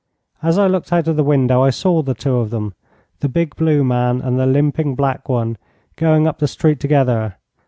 As I looked out of the window I saw the two of them, the big blue man and the limping black one, going up the street together.